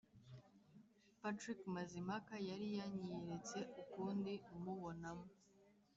Patrick Mazimpaka yari yanyiyeretse ukundi, mubonamo